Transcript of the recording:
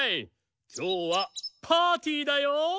きょうはパーティーだよ！